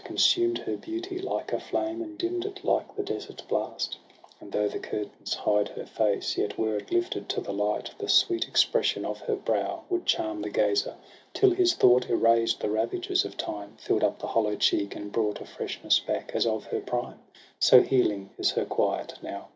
Consumed her beauty like a flame. And dimm'd it like the desert blast. And though the curtains hide her face, Yet were it lifted to the hght, The sweet expression of her brow Would charm the gazer, till his thought Erased the ravages of time, Fiird up the hollow cheek, and brought A freshness back as of her prime — 2i6 TRISTRAM AND ISEULT. So healing is her quiet now.